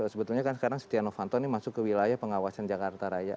sebetulnya kan sekarang setia novanto ini masuk ke wilayah pengawasan jakarta raya